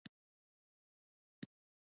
او ددوي ټول خاندان پۀ اهنګرانو مشهور شو ۔